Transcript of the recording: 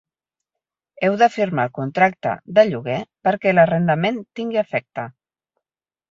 Heu de firmar el contracte de lloguer perquè l'arrendament tingui efecte.